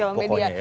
riuh pokoknya ya